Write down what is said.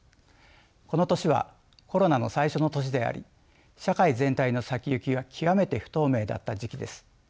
この年はコロナの最初の年であり社会全体の先行きが極めて不透明だった時期です。